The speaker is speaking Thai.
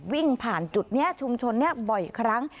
วิ่งผ่านจุดนี้ชุมชนนี้บ่อยครั้ง